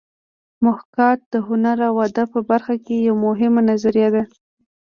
محاکات د هنر او ادب په برخه کې یوه مهمه نظریه ده